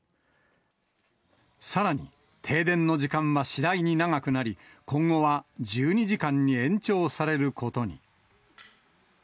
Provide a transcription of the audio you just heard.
さらに、停電の時間は次第に長くなり、今後は１２時間に延長されることに。